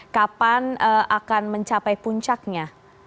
kapan akan mencapai puncaknya